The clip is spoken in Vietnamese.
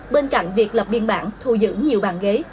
bên cạnh việc lập biên bản thu giữ nhiều bàn ghế